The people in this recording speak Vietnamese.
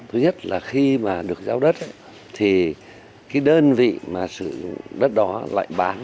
thứ nhất là khi mà được giao đất thì cái đơn vị mà sử dụng đất đó lại bán